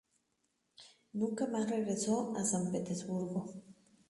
Nunca más regresó a San Petersburgo.